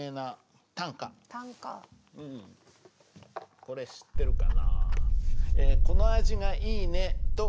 これ知ってるかな？